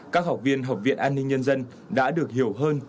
các học viên học viện an ninh nhân dân đã được hiểu hơn